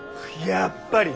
やっぱり！